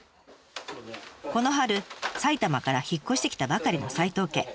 この春埼玉から引っ越してきたばかりの斎藤家。